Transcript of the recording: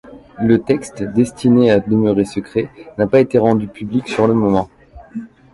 Le texte, destiné à demeurer secret, n'a pas été rendu public sur le moment.